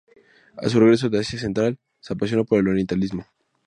A su regreso de Asia Central, se apasionó por el orientalismo.